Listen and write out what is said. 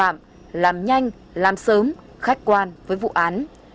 cơ quan công an phạm làm nhanh làm sớm khách quan với vụ án